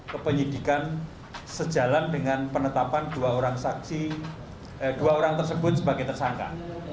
kepenyidikan sejalan dengan penetapan dua orang tersebut sebagai tersangka